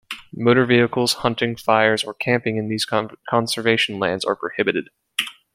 Motor vehicles, hunting, fires, or camping in these conservation lands are prohibited.